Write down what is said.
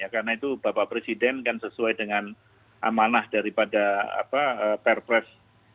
karena itu bapak presiden kan sesuai dengan amanah daripada perpres enam puluh sembilan dua ribu dua puluh satu